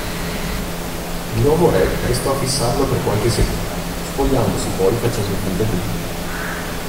Il nuovo re restò a fissarlo per qualche secondo, spogliandosi poi facendo finta di nulla.